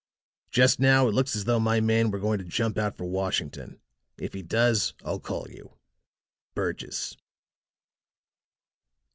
"Just now it looks as though my man were going to jump out for Washington. If he does I'll call you. "BURGESS."